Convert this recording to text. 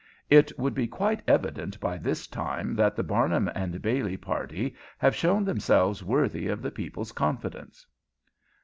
It should be quite evident by this time that the Barnum & Bailey party have shown themselves worthy of the people's confidence."